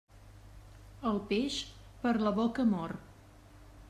El peix, per la boca mor.